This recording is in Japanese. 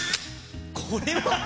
これは？